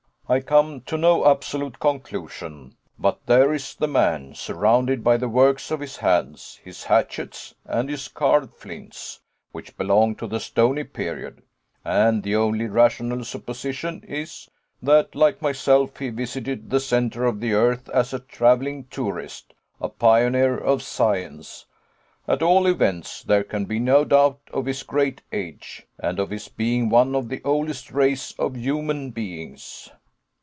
I come to no absolute conclusion, but there is the man, surrounded by the works of his hands, his hatchets and his carved flints, which belong to the stony period; and the only rational supposition is, that, like myself, he visited the centre of the earth as a traveling tourist, a pioneer of science. At all events, there can be no doubt of his great age, and of his being one of the oldest race of human beings."